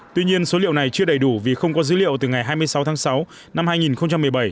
tuy nhiên số liệu này chưa đầy đủ vì không có dữ liệu từ ngày hai mươi sáu tháng sáu năm hai nghìn một mươi bảy